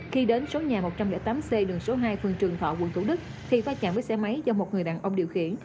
khi đến số nhà một trăm linh tám c đường số hai phường trường thọ quận thủ đức thì va chạm với xe máy do một người đàn ông điều khiển